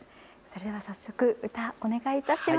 それでは早速歌お願いいたします。